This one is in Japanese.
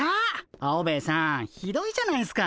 アオベエさんひどいじゃないっすか。